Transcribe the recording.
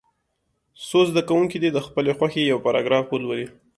څو زده کوونکي دې د خپلې خوښې یو پاراګراف ولولي.